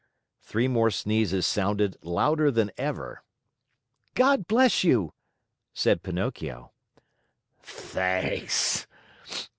Three more sneezes sounded, louder than ever. "God bless you!" said Pinocchio. "Thanks!